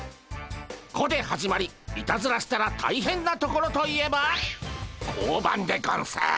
「こ」で始まりいたずらしたらたいへんな所といえば交番でゴンス。